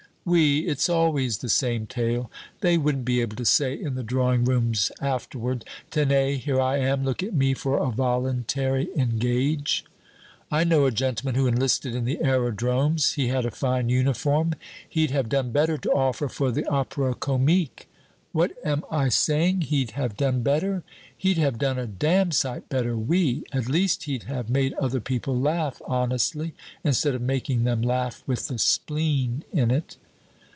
"Oui, it's always the same tale. They wouldn't be able to say in the drawing rooms afterwards, 'Tenez, here I am; look at me for a voluntary engage!'" "I know a gentleman who enlisted in the aerodromes. He had a fine uniform he'd have done better to offer for the Opera Comique. What am I saying 'he'd have done better?' He'd have done a damn sight better, oui. At least he'd have made other people laugh honestly, instead of making them laugh with the spleen in it."